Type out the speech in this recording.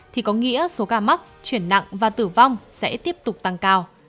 thì có nghĩa số ca mắc chuyển nặng và tử vong sẽ tiếp tục tăng cao